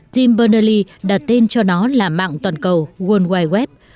tim bernally đặt tên cho nó là mạng toàn cầu world wide web